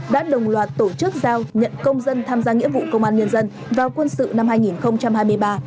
đã đồng loạt tổ chức giao nhận công dân tham gia nghĩa vụ công an nhân dân vào quân sự năm hai nghìn hai mươi ba